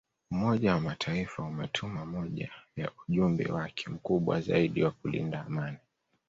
Umoja wa Mataifa umetuma moja ya ujumbe wake mkubwa zaidi wa kulinda amani